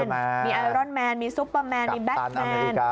มีไอรอนแมนมีซุปเปอร์แมนมีแบ็คแมน